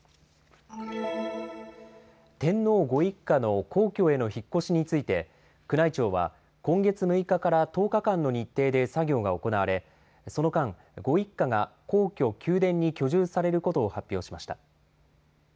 天皇ご一家の皇居への引っ越しについて、宮内庁は今月６日から１０日間の日程で作業が行われ、その間、ご一家が皇居・宮殿に居住されることを発表しました。